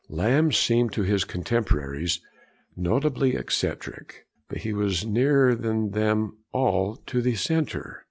Lamb seemed to his contemporaries notably eccentric, but he was nearer than them all to the centre.